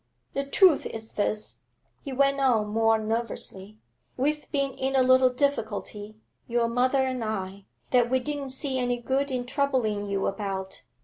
'The truth is this,' he went on more nervously; 'we've been in a little difficulty, your mother and I, that we didn't see any good in troubling you about.